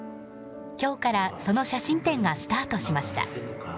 今日からその写真展がスタートしました。